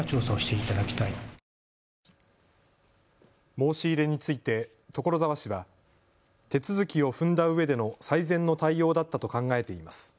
申し入れについて所沢市は手続きを踏んだうえでの最善の対応だったと考えています。